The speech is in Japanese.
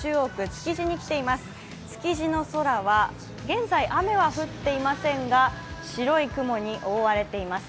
築地の空は現在雨は降っていませんが白い雲に覆われています。